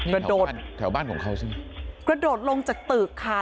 กระโดดแถวบ้านของเขาสิกระโดดลงจากตึกค่ะ